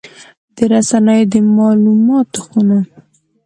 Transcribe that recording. د رسنیو د مالوماتو خونه